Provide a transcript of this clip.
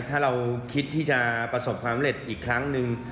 ถ้าเราคิดที่จะประสบความเร็จอีกครั้งหนึ่ง